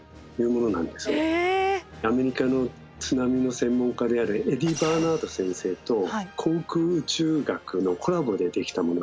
アメリカの津波の専門家であるエディ・バーナード先生と航空宇宙学のコラボで出来たものなんですよ。